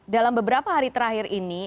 dalam beberapa hari terakhir ini